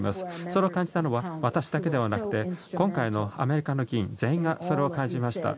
そう感じたのは私だけではなくて今回のアメリカの議員全員がそれを感じました。